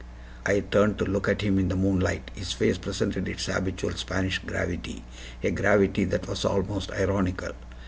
I turned to look at him in the moonlight. His face presented its habitual Spanish gravity a gravity that was almost ironical.